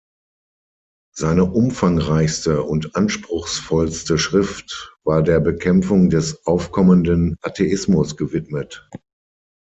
Seine umfangreichste und anspruchsvollste Schrift war der Bekämpfung des aufkommenden Atheismus gewidmet.